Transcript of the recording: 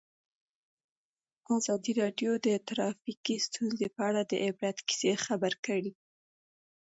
ازادي راډیو د ټرافیکي ستونزې په اړه د عبرت کیسې خبر کړي.